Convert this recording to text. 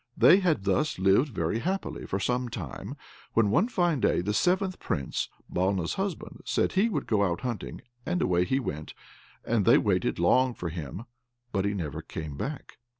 They had thus lived very happily for some time, when one fine day the seventh Prince (Balna's husband) said he would go out hunting, and away he went; and they waited long for him, but he never came back.